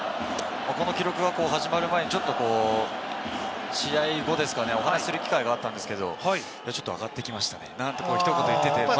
この記録が始まる前、ちょっと試合後ですかね、お話する機会があったんですけれども、ちょっと上がってきましたね、なんて、ひと言、言っていて。